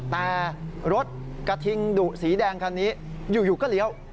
แต่รถกระทิงดุสีแดงคันนี้อยู่ก็เลี้ยว